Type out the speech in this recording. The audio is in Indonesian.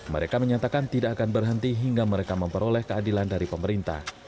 mereka menyatakan tidak akan berhenti hingga mereka memperoleh keadilan dari pemerintah